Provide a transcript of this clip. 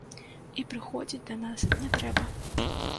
І прыходзіць да нас не трэба.